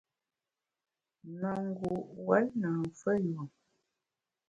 Mangu’ wuon na mfeyùom.